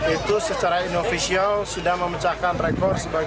itu secara inovasial sudah memecahkan rekor